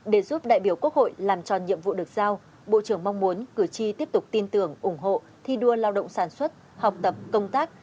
để giúp đại biểu quốc hội làm tròn nhiệm vụ được giao bộ trưởng mong muốn cử tri tiếp tục tin tưởng ủng hộ thi đua lao động sản xuất học tập công tác